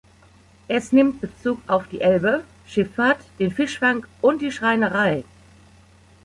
Es nimmt Bezug auf die Elbe, Schifffahrt, den Fischfang und die Schreinerei.